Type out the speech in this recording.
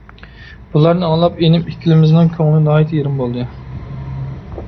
بۇلارنى ئاڭلاپ، ئىنىم ئىككىمىزنىڭ كۆڭلى ناھايىتى يېرىم بولدى.